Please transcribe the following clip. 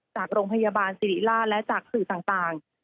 จากโรงพยาบาลสิริราชและจากสื่อต่าง